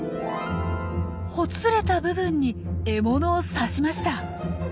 ほつれた部分に獲物を刺しました。